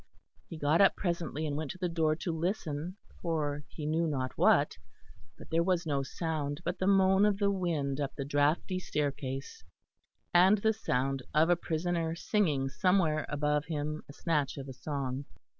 He got up presently and went to the door to listen for he knew not what. But there was no sound but the moan of the wind up the draughty staircase, and the sound of a prisoner singing somewhere above him a snatch of a song.